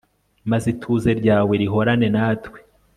maze ituze ryawe rihorane natwe